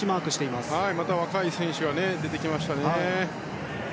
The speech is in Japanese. また若い選手が出てきましたね。